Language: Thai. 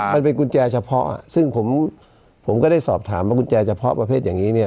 มันเป็นกุญแจเฉพาะซึ่งผมผมก็ได้สอบถามว่ากุญแจเฉพาะประเภทอย่างนี้เนี่ย